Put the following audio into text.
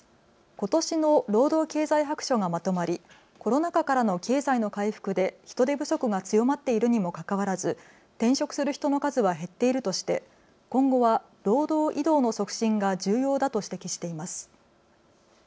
ことしの労働経済白書がまとまりコロナ禍からの経済の回復で人手不足が強まっているにもかかわらず転職する人の数は減っているとして今後は労働移動の促進が重要だと指摘しています。